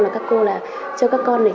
là các cô là cho các con này